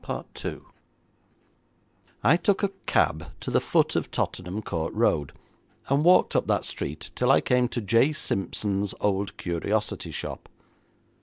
I took a cab to the foot of Tottenham Court Road, and walked up that street till I came to J. Simpson's old curiosity shop.